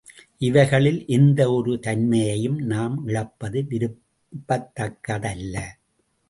இவைகளில் எந்த ஒரு தன்மையையும் நாம் இழப்பது விரும்பத்தக்கதல்ல.